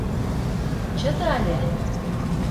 — Чыте але.